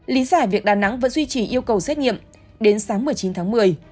lý giải việc đà nẵng vẫn duy trì yêu cầu xét nghiệm đến sáng một mươi chín tháng một mươi